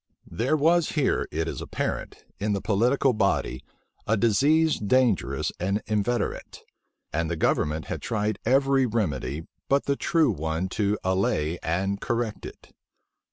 There was here, it is apparent, in the political body, a disease dangerous and inveterate; and the government had tried every remedy but the true one to allay and correct it.